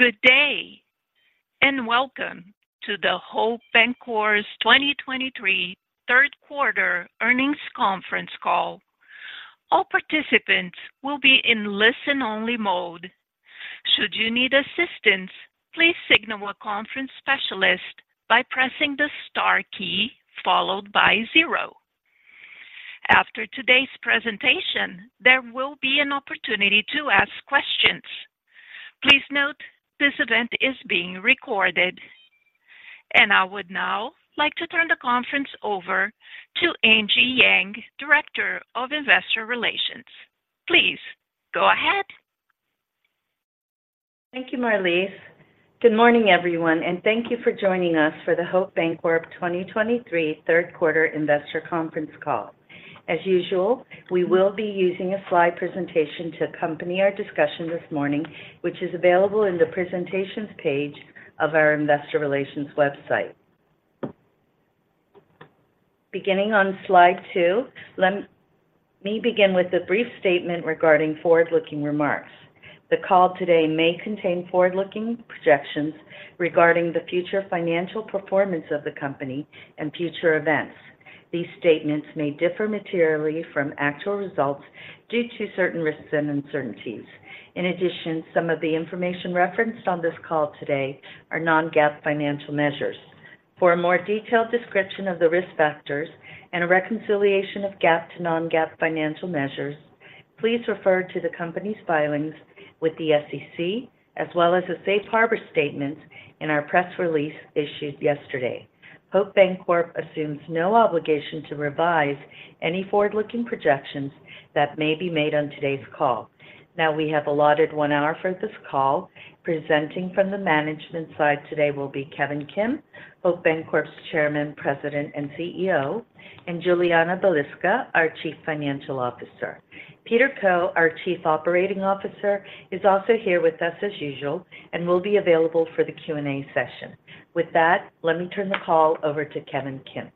Good day, and welcome to the Hope Bancorp's 2023 Q3 earnings conference call. All participants will be in listen-only mode. Should you need assistance, please signal a conference specialist by pressing the star key followed by zero. After today's presentation, there will be an opportunity to ask questions. Please note, this event is being recorded. I would now like to turn the conference over to Angie Yang, Director of Investor Relations. Please go ahead. Thank you, Marlise. Good morning, everyone, and thank you for joining us for the Hope Bancorp 2023 Q3 investor conference call. As usual, we will be using a slide presentation to accompany our discussion this morning, which is available in the Presentations page of our investor relations website. Beginning on slide 2, let me begin with a brief statement regarding forward-looking remarks. The call today may contain forward-looking projections regarding the future financial performance of the company and future events. These statements may differ materially from actual results due to certain risks and uncertainties. In addition, some of the information referenced on this call today are non-GAAP financial measures. For a more detailed description of the risk factors and a reconciliation of GAAP to non-GAAP financial measures, please refer to the company's filings with the SEC, as well as the safe harbor statement in our press release issued yesterday. Hope Bancorp assumes no obligation to revise any forward-looking projections that may be made on today's call. Now, we have allotted one hour for this call. Presenting from the management side today will be Kevin Kim, Hope Bancorp's Chairman, President, and CEO, and Julianna Balicka, our Chief Financial Officer. Peter Koh, our Chief Operating Officer, is also here with us as usual and will be available for the Q&A session. With that, let me turn the call over to Kevin Kim.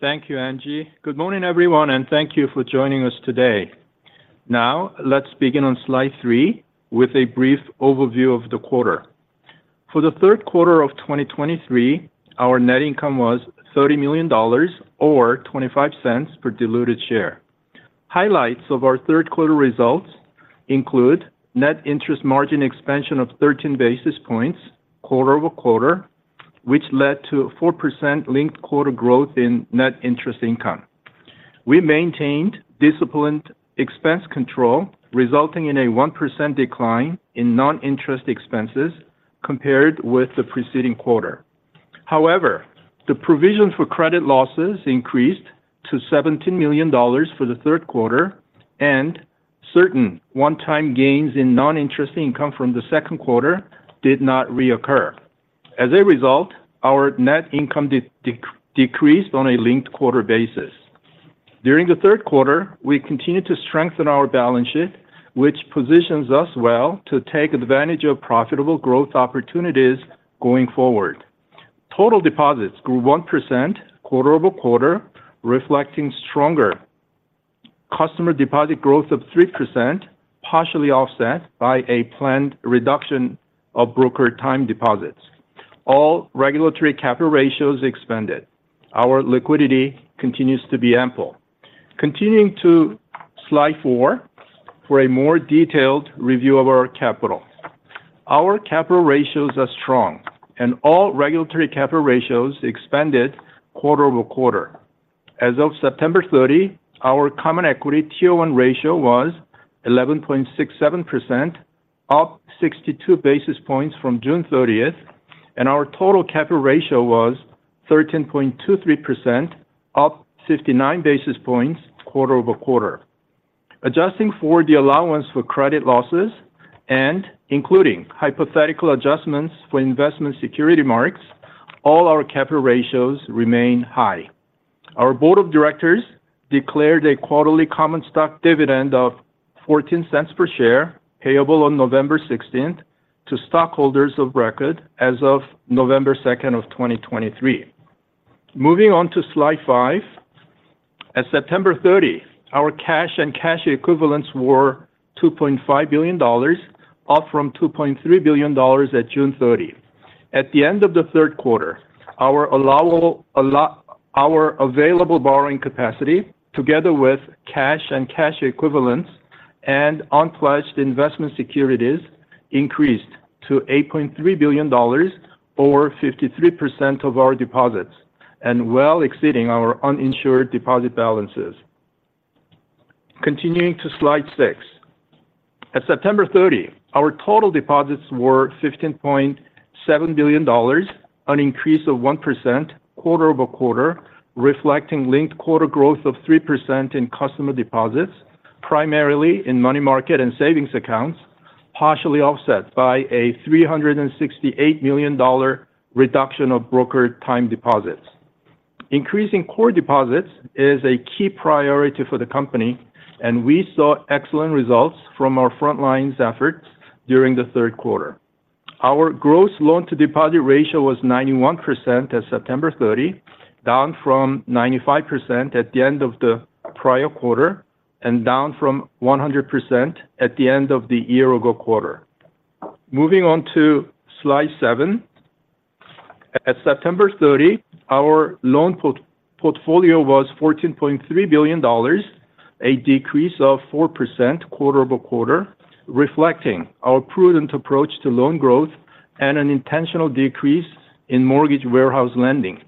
Thank you, Angie. Good morning, everyone, and thank you for joining us today. Now, let's begin on slide 3 with a brief overview of the quarter. For the Q3 of 2023, our net income was $30 million or $0.25 per diluted share. Highlights of our Q3 results include net interest margin expansion of 13 basis points quarter-over-quarter, which led to a 4% linked-quarter growth in net interest income. We maintained disciplined expense control, resulting in a 1% decline in non-interest expenses compared with the preceding quarter. However, the provision for credit losses increased to $17 million for the Q3, and certain one-time gains in non-interest income from the Q2 did not reoccur. As a result, our net income decreased on a linked-quarter basis. During the Q3, we continued to strengthen our balance sheet, which positions us well to take advantage of profitable growth opportunities going forward. Total deposits grew 1% quarter-over-quarter, reflecting stronger customer deposit growth of 3%, partially offset by a planned reduction of brokered time deposits. All regulatory capital ratios expanded. Our liquidity continues to be ample. Continuing to Slide 4 for a more detailed review of our capital. Our capital ratios are strong and all regulatory capital ratios expanded quarter-over-quarter. As of September 30, our Common Equity Tier 1 ratio was 11.67%, up 62 basis points from June 30, and our total capital ratio was 13.23%, up 59 basis points quarter-over-quarter. Adjusting for the allowance for credit losses and including hypothetical adjustments for investment security marks, all our capital ratios remain high. Our board of directors declared a quarterly common stock dividend of $0.14 per share, payable on November 16 to stockholders of record as of November 2, 2023. Moving on to slide 5. At September 30, our cash and cash equivalents were $2.5 billion, up from $2.3 billion at June 30. At the end of the Q3, our available borrowing capacity, together with cash and cash equivalents and unpledged investment securities, increased to $8.3 billion or 53% of our deposits and well exceeding our uninsured deposit balances. Continuing to slide 6. At September 30, our total deposits were $15.7 billion, an increase of 1% quarter-over-quarter, reflecting linked-quarter growth of 3% in customer deposits, primarily in money market and savings accounts, partially offset by a $368 million reduction of brokered time deposits. Increasing core deposits is a key priority for the company, and we saw excellent results from our front lines efforts during the Q3... Our gross loan-to-deposit ratio was 91% as of September 30, down from 95% at the end of the prior quarter and down from 100% at the end of the year-ago quarter. Moving on to slide 7. At September 30, our loan portfolio was $14.3 billion, a decrease of 4% quarter-over-quarter, reflecting our prudent approach to loan growth and an intentional decrease in mortgage warehouse lending.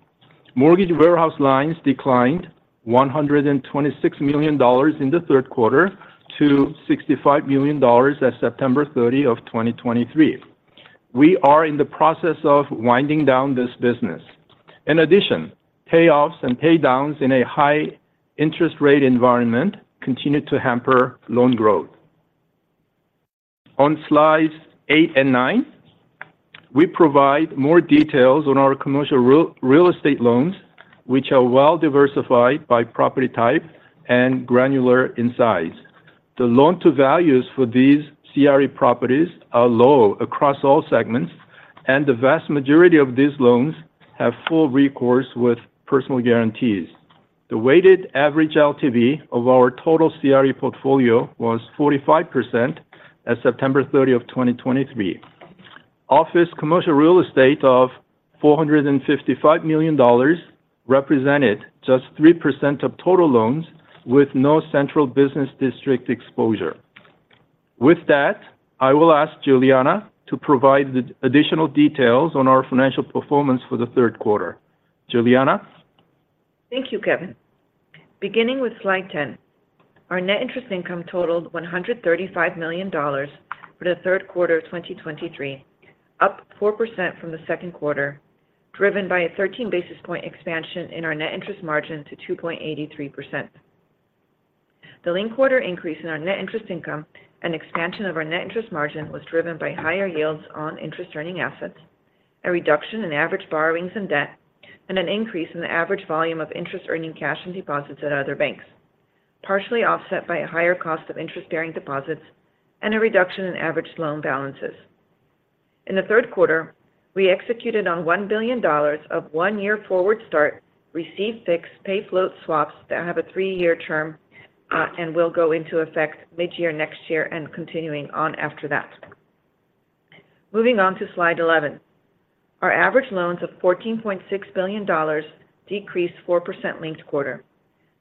Mortgage warehouse lines declined $126 million in the Q3 to $65 million at September 30, 2023. We are in the process of winding down this business. In addition, payoffs and pay downs in a high-interest rate environment continued to hamper loan growth. On slides 8 and 9, we provide more details on our commercial real estate loans, which are well-diversified by property type and granular in size. The loan to values for these CRE properties are low across all segments, and the vast majority of these loans have full recourse with personal guarantees. The weighted average LTV of our total CRE portfolio was 45% as of September 30, 2023. Office commercial real estate of $455 million represented just 3% of total loans, with no central business district exposure. With that, I will ask Julianna to provide the additional details on our financial performance for the Q3. Julianna? Thank you, Kevin. Beginning with slide 10, our net interest income totaled $135 million for the Q3 of 2023, up 4% from the Q2, driven by a 13-basis point expansion in our net interest margin to 2.83%. The linked quarter increase in our net interest income and expansion of our net interest margin was driven by higher yields on interest-earning assets, a reduction in average borrowings and debt, and an increase in the average volume of interest-earning cash and deposits at other banks, partially offset by a higher cost of interest-bearing deposits and a reduction in average loan balances. In the Q3, we executed on $1 billion of 1-year forward start, receive fixed, pay float swaps that have a 3-year term, and will go into effect mid-year next year and continuing on after that. Moving on to slide 11. Our average loans of $14.6 billion decreased 4% linked quarter.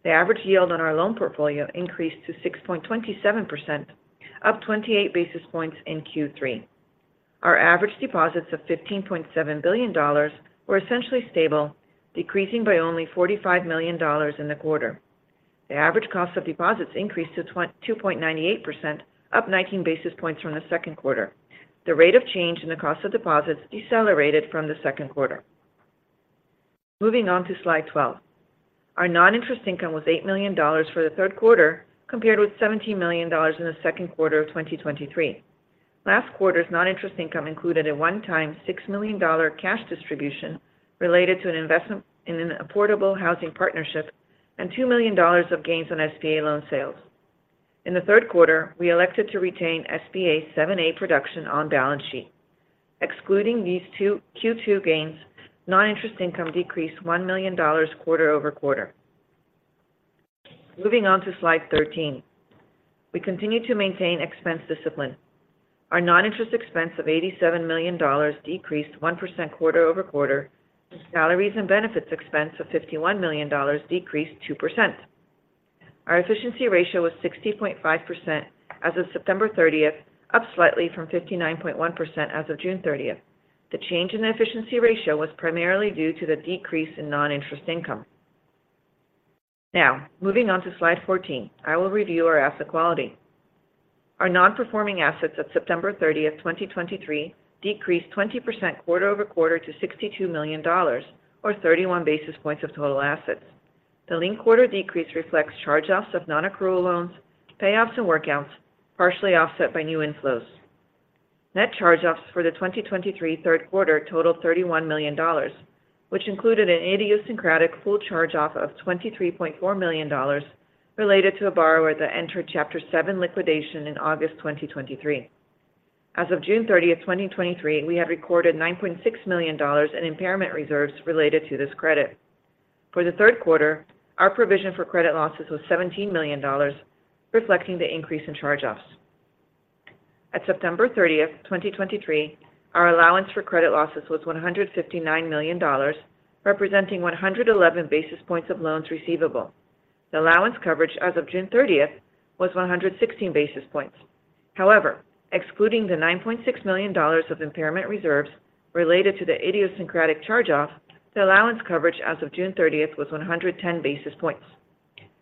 The average yield on our loan portfolio increased to 6.27%, up 28 basis points in Q3. Our average deposits of $15.7 billion were essentially stable, decreasing by only $45 million in the quarter. The average cost of deposits increased to 2.98%, up 19 basis points from the Q2. The rate of change in the cost of deposits decelerated from the Q2. Moving on to slide 12. Our non-interest income was $8 million for the Q3, compared with $17 million in the Q2 of 2023. Last quarter's non-interest income included a one-time $6 million cash distribution related to an investment in an affordable housing partnership and $2 million of gains on SBA loan sales. In the Q3, we elected to retain SBA 7(a) production on balance sheet. Excluding these two Q2 gains, non-interest income decreased $1 million quarter-over-quarter. Moving on to slide 13. We continue to maintain expense discipline. Our non-interest expense of $87 million decreased 1% quarter-over-quarter, and salaries and benefits expense of $51 million decreased 2%. Our efficiency ratio was 60.5% as of September 30, up slightly from 59.1% as of June 30. The change in the efficiency ratio was primarily due to the decrease in non-interest income. Now, moving on to slide 14, I will review our asset quality. Our non-performing assets at September 30, 2023, decreased 20% quarter-over-quarter to $62 million or 31 basis points of total assets. The linked quarter decrease reflects charge-offs of non-accrual loans, payoffs and workouts, partially offset by new inflows. Net charge-offs for the 2023 Q3 totaled $31 million, which included an idiosyncratic full charge-off of $23.4 million related to a borrower that entered Chapter 7 liquidation in August 2023. As of June 30, 2023, we have recorded $9.6 million in impairment reserves related to this credit. For the Q3, our provision for credit losses was $17 million, reflecting the increase in charge-offs. At September 30, 2023, our allowance for credit losses was $159 million, representing 111 basis points of loans receivable. The allowance coverage as of June 30 was 116 basis points. However, excluding the $9.6 million of impairment reserves related to the idiosyncratic charge-off, the allowance coverage as of June 30 was 110 basis points.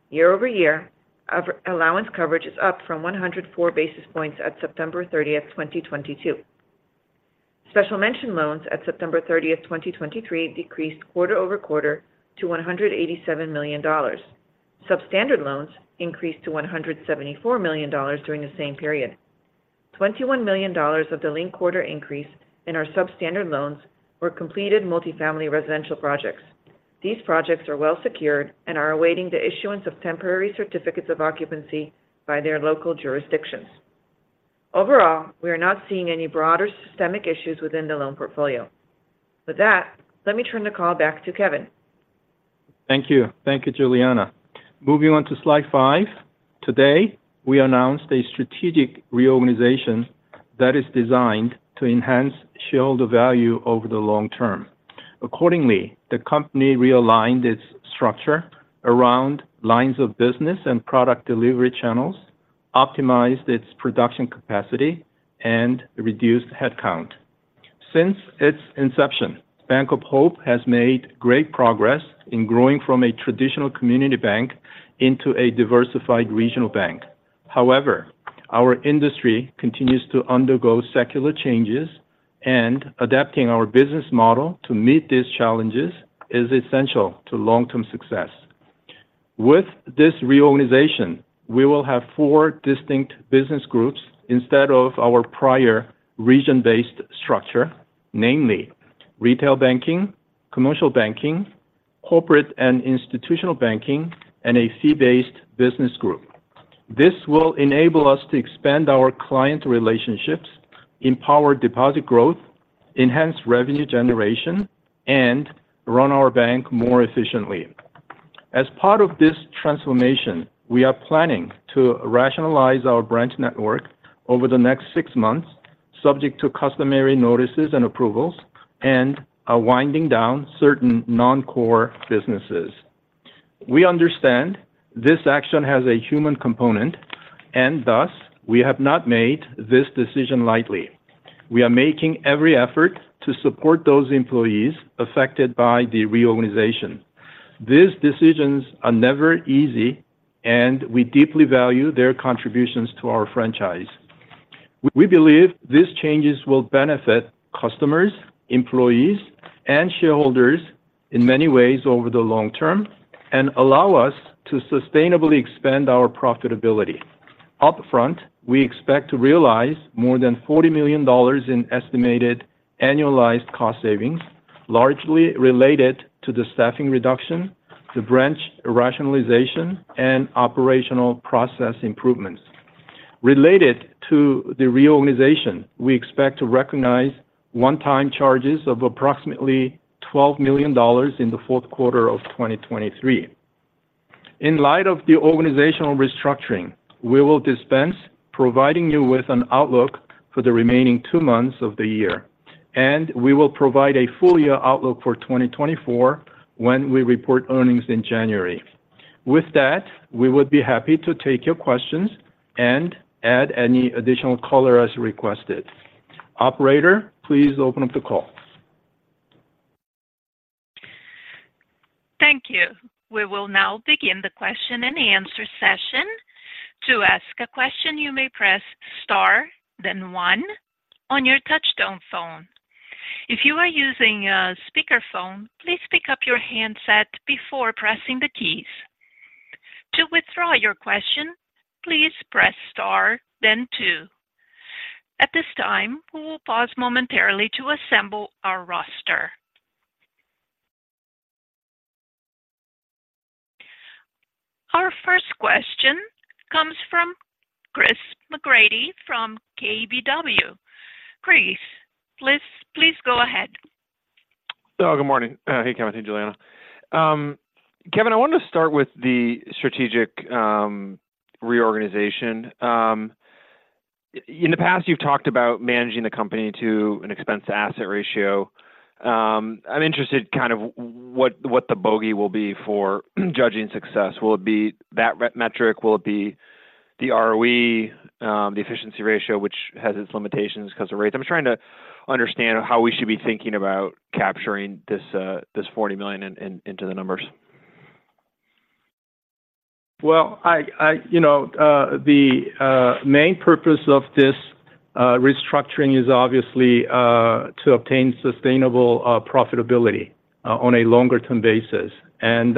Year-over-year, our allowance coverage is up from 104 basis points at September 30, 2022. Special mention loans at September 30, 2023, decreased quarter-over-quarter to $187 million. Substandard loans increased to $174 million during the same period. $21 million of the linked-quarter increase in our substandard loans were completed multifamily residential projects. These projects are well secured and are awaiting the issuance of temporary certificates of occupancy by their local jurisdictions. Overall, we are not seeing any broader systemic issues within the loan portfolio. With that, let me turn the call back to Kevin. Thank you. Thank you, Julianna. Moving on to slide 5. Today, we announced a strategic reorganization that is designed to enhance shareholder value over the long term. Accordingly, the company realigned its structure around lines of business and product delivery channels, optimized its production capacity, and reduced headcount. Since its inception, Bank of Hope has made great progress in growing from a traditional community bank into a diversified regional bank. However, our industry continues to undergo secular changes, and adapting our business model to meet these challenges is essential to long-term success. With this reorganization, we will have four distinct business groups instead of our prior region-based structure, namely, retail banking, commercial banking, corporate and institutional banking, and a fee-based business group. This will enable us to expand our client relationships, empower deposit growth, enhance revenue generation, and run our bank more efficiently. As part of this transformation, we are planning to rationalize our branch network over the next six months, subject to customary notices and approvals, and are winding down certain non-core businesses. We understand this action has a human component, and thus, we have not made this decision lightly. We are making every effort to support those employees affected by the reorganization. These decisions are never easy, and we deeply value their contributions to our franchise. We believe these changes will benefit customers, employees, and shareholders in many ways over the long term and allow us to sustainably expand our profitability. Up front, we expect to realize more than $40 million in estimated annualized cost savings, largely related to the staffing reduction, the branch rationalization, and operational process improvements. Related to the reorganization, we expect to recognize one-time charges of approximately $12 million in the Q4 of 2023. In light of the organizational restructuring, we will dispense providing you with an outlook for the remaining two months of the year, and we will provide a full year outlook for 2024 when we report earnings in January. With that, we would be happy to take your questions and add any additional color as requested. Operator, please open up the call. Thank you. We will now begin the question-and-answer session. To ask a question, you may press Star, then one on your touchtone phone. If you are using a speakerphone, please pick up your handset before pressing the keys. To withdraw your question, please press Star, then two. At this time, we will pause momentarily to assemble our roster. Our first question comes from Chris McGratty from KBW. Chris, please, please go ahead. Oh, good morning. Hey, Kevin. Hey, Julianna. Kevin, I wanted to start with the strategic reorganization. In the past, you've talked about managing the company to an expense asset ratio. I'm interested kind of what, what the bogey will be for judging success. Will it be that metric? Will it be the ROE, the efficiency ratio, which has its limitations cause of rates? I'm trying to understand how we should be thinking about capturing this $40 million into the numbers. Well, you know, the main purpose of this restructuring is obviously to obtain sustainable profitability on a longer-term basis. And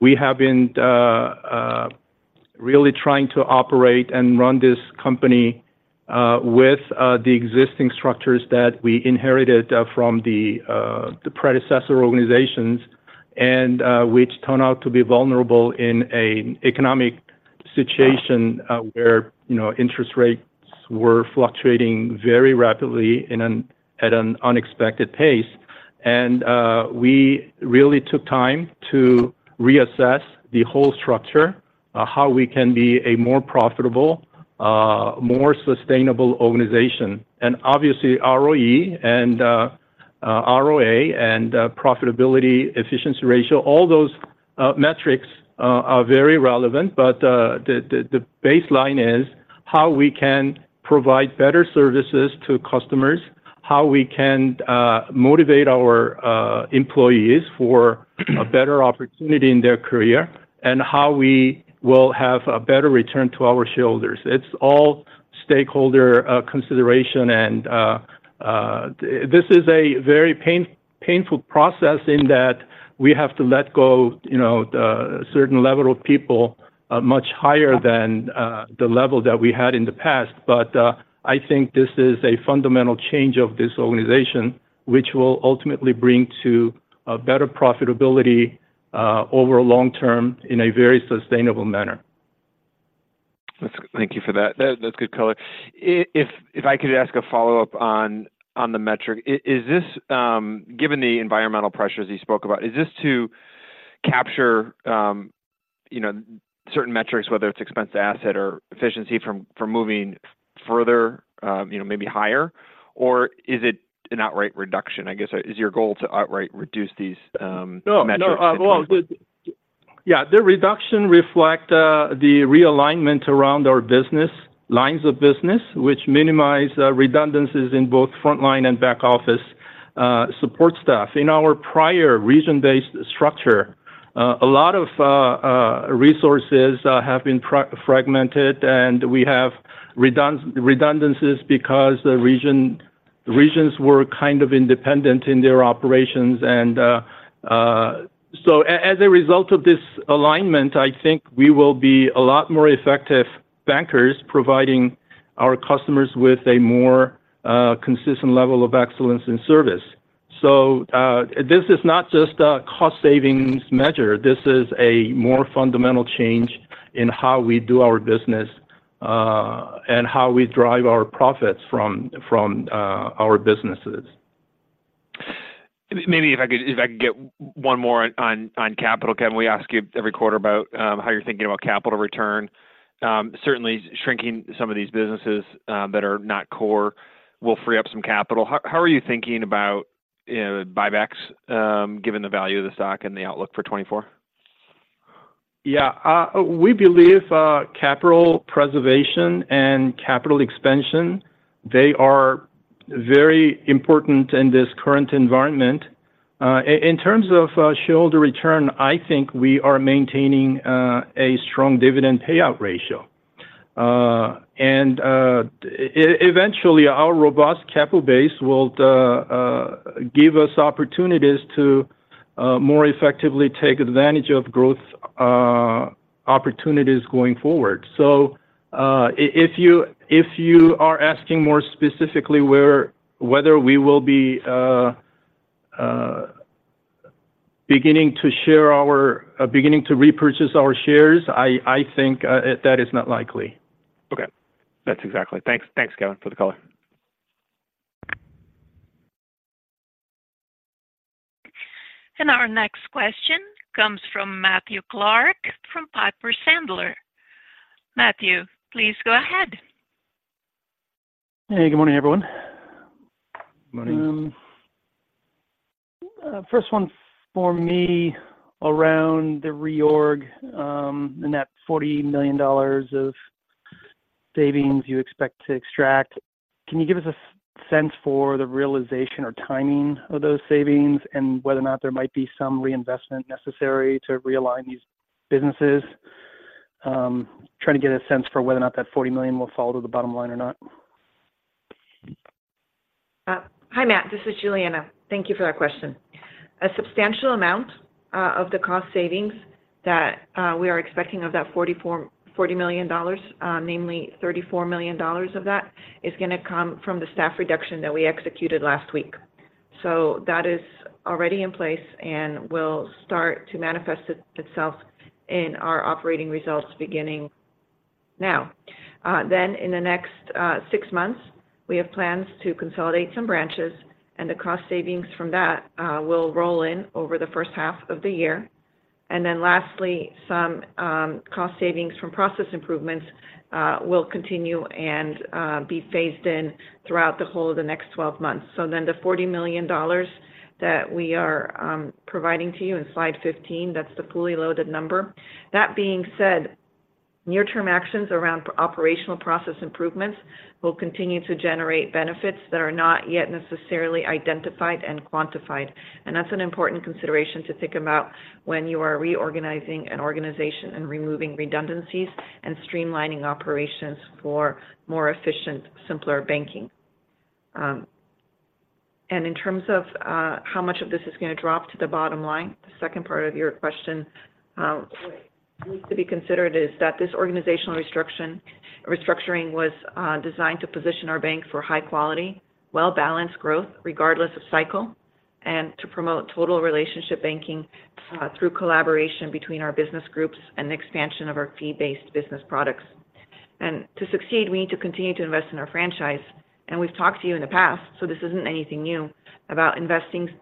we have been really trying to operate and run this company with the existing structures that we inherited from the predecessor organizations, and which turn out to be vulnerable in an economic situation where you know interest rates were fluctuating very rapidly at an unexpected pace. And we really took time to reassess the whole structure how we can be a more profitable more sustainable organization. And obviously, ROE and ROA and profitability, efficiency ratio, all those metrics are very relevant. But the baseline is how we can provide better services to customers, how we can motivate our employees for a better opportunity in their career, and how we will have a better return to our shareholders. It's all stakeholder consideration, and this is a very painful process in that we have to let go, you know, the certain level of people much higher than the level that we had in the past. But I think this is a fundamental change of this organization, which will ultimately bring to a better profitability over long term in a very sustainable manner.... Thank you for that. That's good color. If I could ask a follow-up on the metric. Is this, given the environmental pressures you spoke about, to capture, you know, certain metrics, whether it's expense to asset or efficiency from moving further, you know, maybe higher? Or is it an outright reduction? I guess, is your goal to outright reduce these metrics? No. No. Well, yeah, the reduction reflect the realignment around our business lines of business, which minimize redundancies in both frontline and back-office support staff. In our prior region-based structure, a lot of resources have been fragmented, and we have redundancies because the regions were kind of independent in their operations. And so, as a result of this alignment, I think we will be a lot more effective bankers providing our customers with a more consistent level of excellence in service. So, this is not just a cost savings measure. This is a more fundamental change in how we do our business, and how we drive our profits from our businesses. Maybe if I could, if I could get one more on, on capital. Kevin, we ask you every quarter about how you're thinking about capital return. Certainly, shrinking some of these businesses that are not core will free up some capital. How are you thinking about, you know, buybacks, given the value of the stock and the outlook for 2024? Yeah. We believe capital preservation and capital expansion; they are very important in this current environment. In terms of shareholder return, I think we are maintaining a strong dividend payout ratio. And eventually, our robust capital base will give us opportunities to more effectively take advantage of growth opportunities going forward. So, if you are asking more specifically whether we will be beginning to repurchase our shares, I think that is not likely. Okay. That's exactly. Thanks. Thanks, Kevin, for the color. Our next question comes from Matthew Clark from Piper Sandler. Matthew, please go ahead. Hey, good morning, everyone. Good morning. First one for me around the reorg, and that $40 million of savings you expect to extract. Can you give us a sense for the realization or timing of those savings and whether or not there might be some reinvestment necessary to realign these businesses? Trying to get a sense for whether or not that $40 million will fall to the bottom line or not. Hi, Matt, this is Julianna. Thank you for that question. A substantial amount of the cost savings that we are expecting of that $40 million, namely $34 million of that, is going to come from the staff reduction that we executed last week. So that is already in place and will start to manifest itself in our operating results beginning now. Then in the next six months, we have plans to consolidate some branches, and the cost savings from that will roll in over the H1 of the year. And then lastly, some cost savings from process improvements will continue and be phased in throughout the whole of the next twelve months. So, then the $40 million that we are providing to you in slide 15, that's the fully loaded number. That being said, near-term actions around operational process improvements will continue to generate benefits that are not yet necessarily identified and quantified. That's an important consideration to think about when you are reorganizing an organization and removing redundancies and streamlining operations for more efficient, simpler banking. And in terms of how much of this is going to drop to the bottom line, the second part of your question needs to be considered is that this organizational restructuring was designed to position our bank for high quality, well-balanced growth, regardless of cycle, and to promote total relationship banking through collaboration between our business groups and the expansion of our fee-based business products. To succeed, we need to continue to invest in our franchise, and we've talked to you in the past, so this isn't anything new, about investments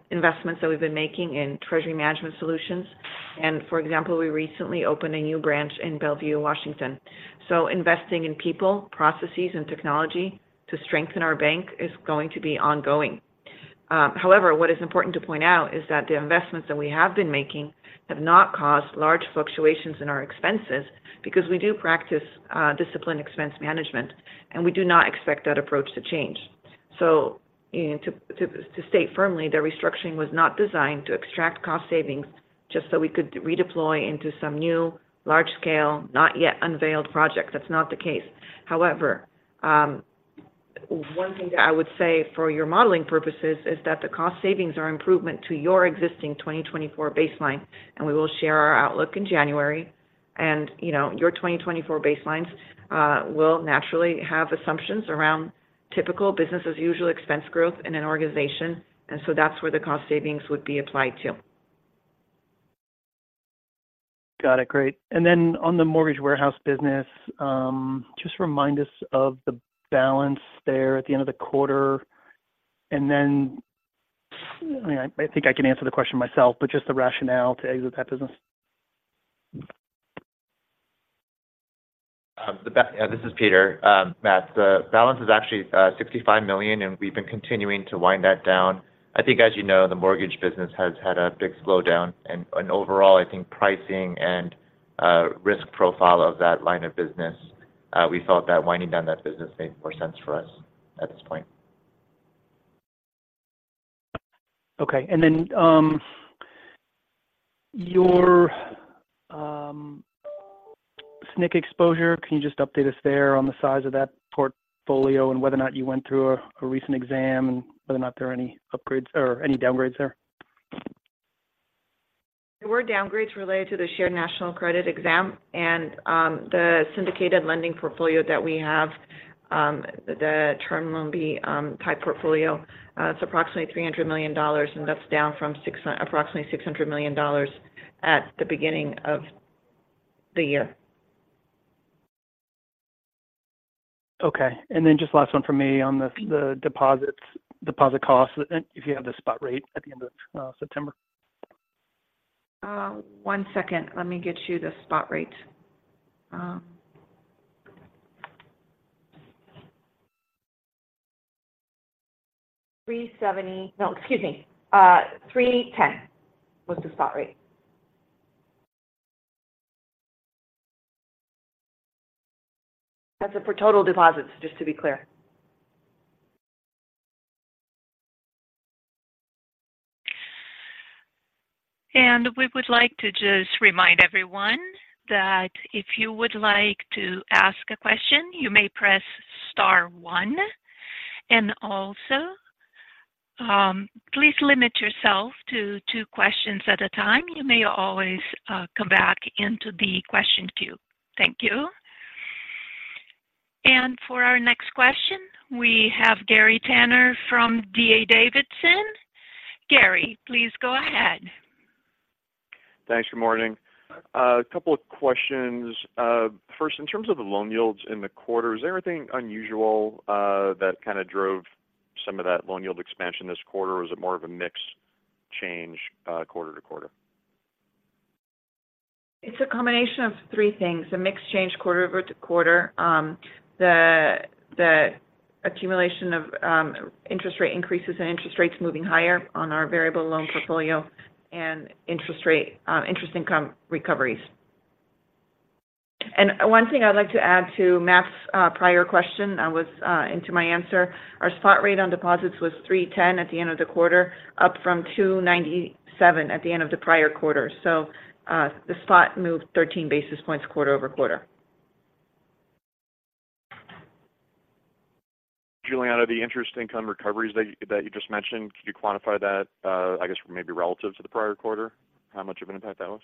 that we've been making in Treasury Management Solutions. For example, we recently opened a new branch in Bellevue, Washington. Investing in people, processes, and technology to strengthen our bank is going to be ongoing. However, what is important to point out is that the investments that we have been making have not caused large fluctuations in our expenses because we do practice disciplined expense management, and we do not expect that approach to change. So, to state firmly, the restructuring was not designed to extract cost savings just so we could redeploy into some new, large scale, not yet unveiled project. That's not the case. However, one thing that I would say for your modeling purposes is that the cost savings are improvement to your existing 2024 baseline, and we will share our outlook in January. And, you know, your 2024 baselines will naturally have assumptions around typical business as usual expense growth in an organization, and so that's where the cost savings would be applied to.... Got it. Great. And then on the mortgage warehouse business, just remind us of the balance there at the end of the quarter. And then, I think I can answer the question myself, but just the rationale to exit that business. Yeah, this is Peter. Matt, the balance is actually $65 million, and we've been continuing to wind that down. I think, as you know, the mortgage business has had a big slowdown, and overall, I think pricing and risk profile of that line of business, we felt that winding down that business made more sense for us at this point. Okay. And then, your SNC exposure, can you just update us there on the size of that portfolio and whether or not you went through a recent exam, and whether or not there are any upgrades or any downgrades there? There were downgrades related to the Shared National Credit exam and, the syndicated lending portfolio that we have, the Term Loan B type portfolio. It's approximately $300 million, and that's down from approximately $600 million at the beginning of the year. Okay. Just last one for me on the deposits, deposit costs, and if you have the spot rate at the end of September? One second. Let me get you the spot rate. 3.10 was the spot rate. That's for total deposits, just to be clear. We would like to just remind everyone that if you would like to ask a question, you may press star one, and also, please limit yourself to two questions at a time. You may always come back into the question queue. Thank you. For our next question, we have Gary Tenner from D.A. Davidson. Gary, please go ahead. Thanks. Good morning. A couple of questions. First, in terms of the loan yields in the quarter, is there anything unusual, that kind of drove some of that loan yield expansion this quarter, or is it more of a mix change, quarter to quarter? It's a combination of three things, a mix change quarter over to quarter, the accumulation of interest rate increases and interest rates moving higher on our variable loan portfolio and interest rate interest income recoveries. And one thing I'd like to add to Matt's prior question, I was into my answer. Our spot rate on deposits was 3.10 at the end of the quarter, up from 2.97 at the end of the prior quarter. So, the spot moved 13 basis points quarter over quarter. Julianna, the interest income recoveries that you, that you just mentioned, could you quantify that, I guess, maybe relative to the prior quarter? How much of an impact that was?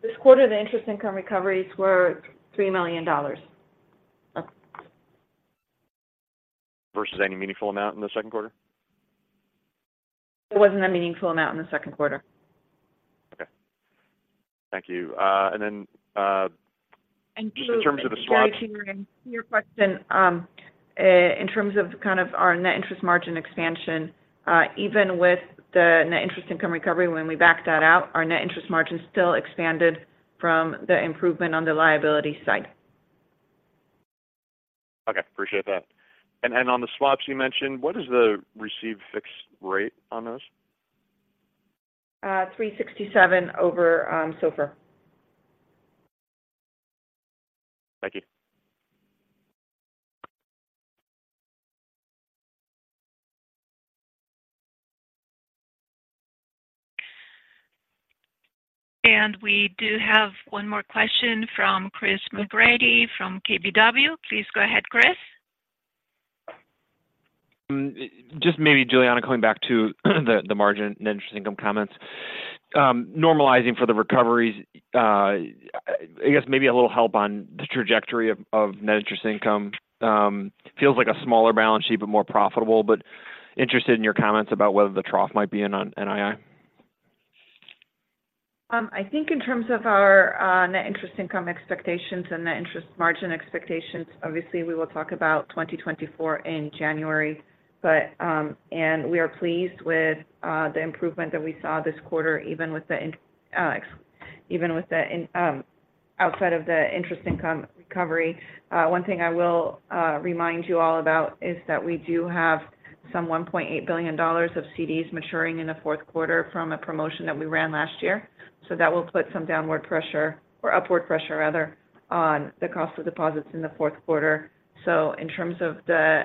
This quarter, the interest income recoveries were $3 million. Versus any meaningful amount in the Q2? There wasn't a meaningful amount in the Q2. Okay. Thank you. And then, in terms of the- To your question, in terms of kind of our net interest margin expansion, even with the net interest income recovery, when we backed that out, our net interest margin still expanded from the improvement on the liability side. Okay, appreciate that. And on the swaps, you mentioned, what is the received fixed rate on those? 367 over SOFR. Thank you. We do have one more question from Chris McGratty from KBW. Please go ahead, Chris. Just maybe, Julianna, coming back to the margin, net interest income comments. Normalizing for the recoveries, I guess maybe a little help on the trajectory of net interest income. Feels like a smaller balance sheet, but more profitable, but interested in your comments about whether the trough might be in on NII. I think in terms of our net interest income expectations and net interest margin expectations, obviously, we will talk about 2024 in January. But and we are pleased with the improvement that we saw this quarter, even outside of the interest income recovery. One thing I will remind you all about is that we do have some $1.8 billion of CDs maturing in the Q4 from a promotion that we ran last year. So that will put some downward pressure, or upward pressure rather, on the cost of deposits in the Q4. So, in terms of the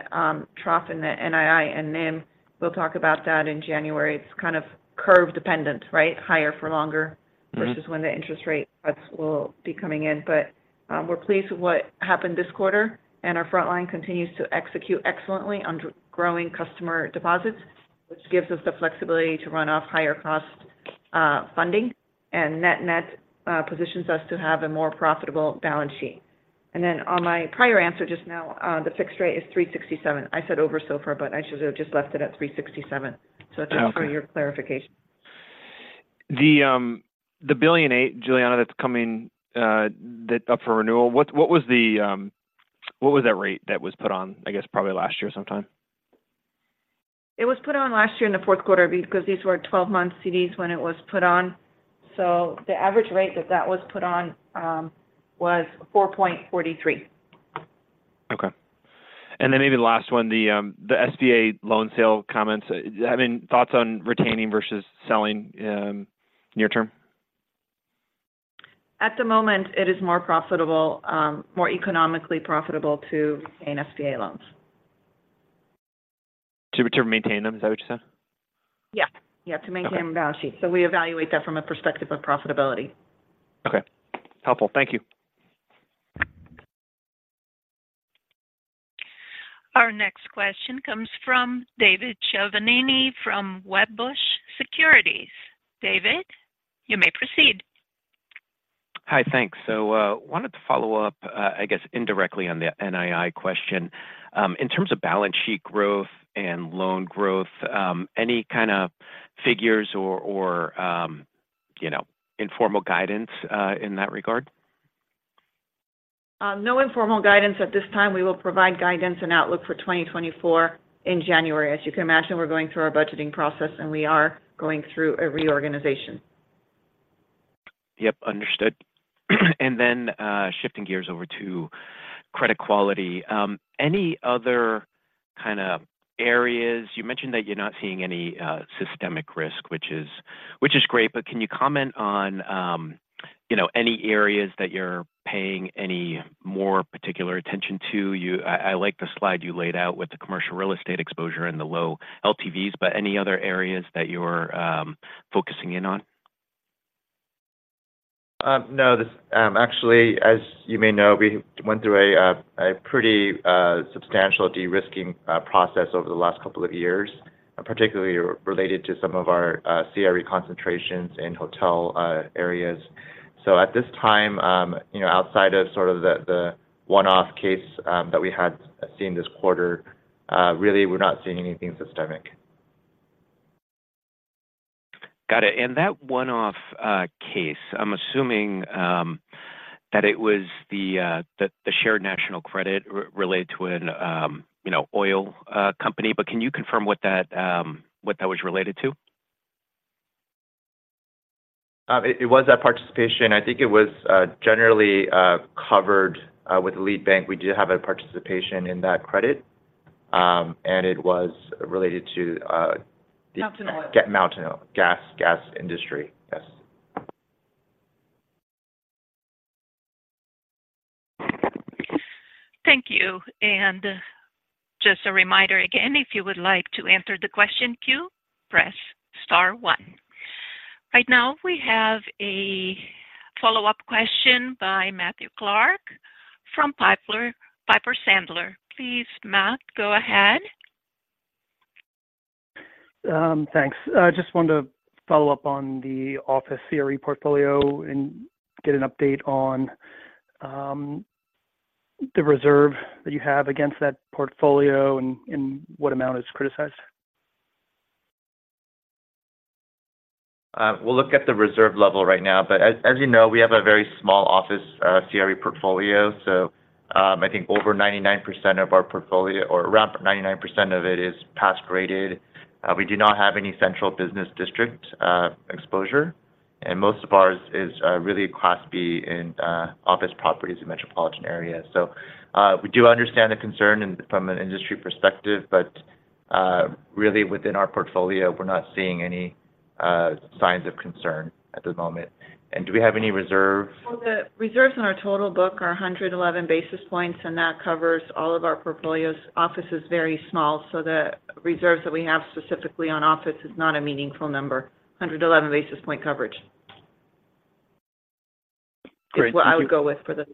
trough in the NII and NIM, we'll talk about that in January. It's kind of curve dependent, right? Higher for longer- - versus when the interest rate cuts will be coming in. But we're pleased with what happened this quarter, and our front line continues to execute excellently under growing customer deposits, which gives us the flexibility to run off higher cost funding. And net, positions us to have a more profitable balance sheet. And then on my prior answer just now, the fixed rate is 367. I said over SOFR, but I should have just left it at 367. Okay. Thanks for your clarification. The $1.8 billion, Julianna, that's coming up for renewal, what was that rate that was put on, I guess, probably last year sometime? It was put on last year in the Q4 because these were twelve-month CDs when it was put on. So, the average rate that that was put on was 4.43. Okay. And then maybe the last one, the SBA loan sale comments. I mean, thoughts on retaining versus selling, near term? At the moment, it is more profitable, more economically profitable to gain SBA loans. To maintain them, is that what you said? Yeah. Yeah, to maintain- Okay... them balance sheet. So we evaluate that from a perspective of profitability. Okay. Helpful. Thank you. Our next question comes from David Chiaverini from Wedbush Securities. David, you may proceed. Hi, thanks. So, wanted to follow up, I guess, indirectly on the NII question. In terms of balance sheet growth and loan growth, any kind of figures or, or, you know, informal guidance, in that regard? No informal guidance at this time. We will provide guidance and outlook for 2024 in January. As you can imagine, we're going through our budgeting process, and we are going through a reorganization. Yep, understood. And then, shifting gears over to credit quality. Any other kind of areas... You mentioned that you're not seeing any systemic risk, which is, which is great, but can you comment on, you know, any areas that you're paying any more particular attention to? You, I like the slide you laid out with the commercial real estate exposure and the low LTVs, but any other areas that you're focusing in on? No, this actually, as you may know, we went through a pretty substantial de-risking process over the last couple of years, particularly related to some of our CRE concentrations in hotel areas. So, at this time, you know, outside of sort of the one-off case that we had seen this quarter, really, we're not seeing anything systemic. Got it. And that one-off case, I'm assuming, that it was the Shared National Credit related to an, you know, oil company. But can you confirm what that was related to? It was that participation. I think it was generally covered with Lead Bank. We did have a participation in that credit, and it was related to- Mountain Oil... Get Mountain Oil. Gas, gas industry. Yes. Thank you. Just a reminder again, if you would like to answer the question queue, press star one. Right now, we have a follow-up question by Matthew Clark from Piper Sandler. Please, Matt, go ahead. Thanks. I just wanted to follow up on the office CRE portfolio and get an update on the reserve that you have against that portfolio and what amount is criticized? We'll look at the reserve level right now, but as you know, we have a very small office CRE portfolio. So, I think over 99% of our portfolio, or around 99% of it is pass graded. We do not have any central business district exposure, and most of ours is really Class B in office properties in metropolitan areas. So, we do understand the concern and from an industry perspective, but really within our portfolio, we're not seeing any signs of concern at the moment. And do we have any reserves? So, the reserves in our total book are 111 basis points, and that covers all of our portfolios. Office is very small, so the reserves that we have specifically on office is not a meaningful number. 111 basis point coverage. Great. Thank you. It's what I would go with for the...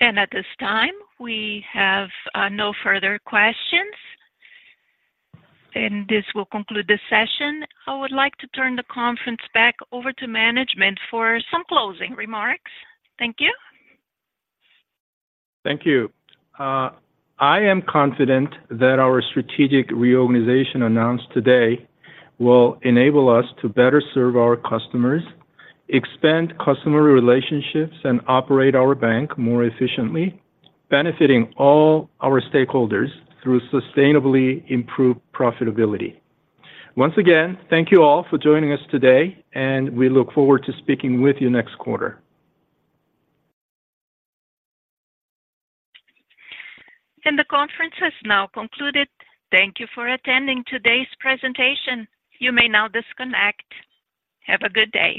Thank you. Yep. Yep. At this time, we have no further questions, and this will conclude this session. I would like to turn the conference back over to management for some closing remarks. Thank you. Thank you. I am confident that our strategic reorganization announced today will enable us to better serve our customers, expand customer relationships, and operate our bank more efficiently, benefiting all our stakeholders through sustainably improved profitability. Once again, thank you all for joining us today, and we look forward to speaking with you next quarter. The conference has now concluded. Thank you for attending today's presentation. You may now disconnect. Have a good day.